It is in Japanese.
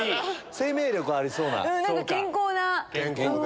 生命力ありそうな。